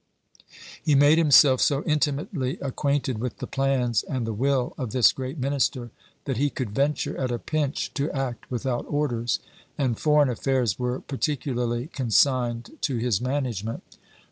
He made himself so intimately acquainted with the plans and the will of this great minister, that he could venture at a pinch to act without orders: and foreign affairs were particularly consigned to his management.